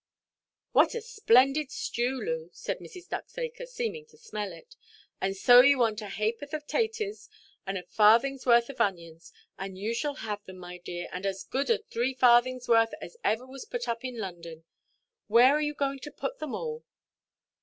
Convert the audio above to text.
"What a splendid stew, Loo!" said Mrs. Ducksacre, seeming to smell it; "and so you want a haʼporth of taties, and a farthingʼs worth of onions. And you shall have them, my dear, and as good a three farthings' worth as ever was put up in London. Where are you going to put them all?"